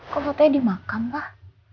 kok fotonya dimakan pak